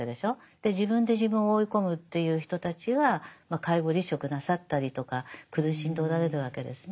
で自分で自分を追い込むっていう人たちが介護離職なさったりとか苦しんでおられるわけですね。